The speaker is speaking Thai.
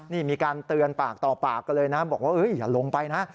นี่มีการเตือนปากต่อปากกันเลยนะบอกว่าอย่าลงไปนะ